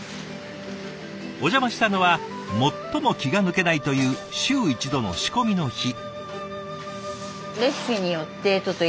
お邪魔したのは最も気が抜けないという週１度の仕込みの日。